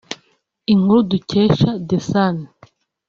Inkuru dukesha The Sun